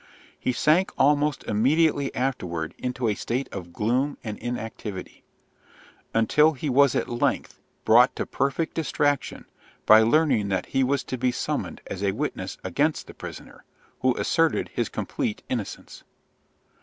He sank almost immediately afterward into a state of gloom and inactivity, until he was at length brought to perfect distraction by learning that he was to be summoned as a witness against the prisoner, who asserted his complete innocence.